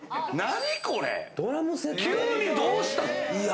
急にどうした？